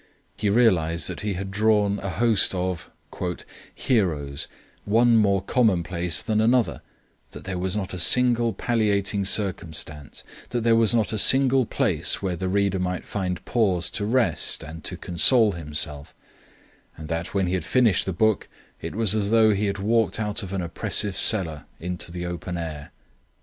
He realised that he had drawn a host of "heroes," "one more commonplace than another, that there was not a single palliating circumstance, that there was not a single place where the reader might find pause to rest and to console himself, and that when he had finished the book it was as though he had walked out of an oppressive cellar into the open air."